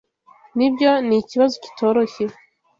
Nibyo, nikibazo kitoroshye.